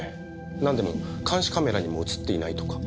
なんでも監視カメラにも映っていないとか。